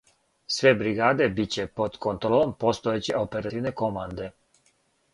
Све бригаде биће под контролом постојеће оперативне команде.